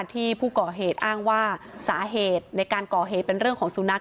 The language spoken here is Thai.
ที่ผู้ก่อเหตุอ้างว่าสาเหตุในการก่อเหตุเป็นเรื่องของสุนัข